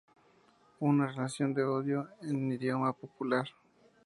Una relación de odio, en idioma popular.